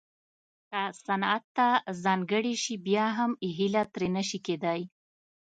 که صنعت ته ځانګړې شي بیا هم هیله ترې نه شي کېدای